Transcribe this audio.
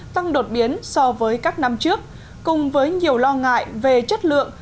tăng đột biến so với các năm trước cùng với nhiều lo ngại về chất lượng